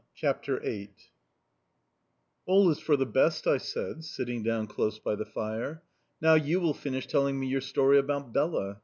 CHAPTER VIII "ALL is for the best," I said, sitting down close by the fire. "Now you will finish telling me your story about Bela.